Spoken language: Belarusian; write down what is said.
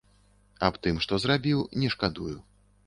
Аб тым, што зрабіў, не шкадую.